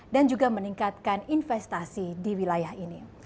dan juga meningkatkan investasi di wilayah ini